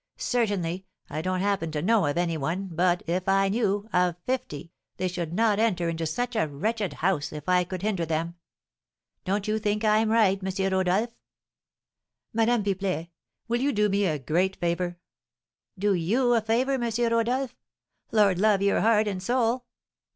Certainly, I don't happen to know of any one, but, if I knew of fifty, they should not enter into such a wretched house, if I could hinder them. Don't you think I'm right, M. Rodolph?" "Madame Pipelet, will you do me a great favour?" "Do you a favour, M. Rodolph? Lord love your heart and soul!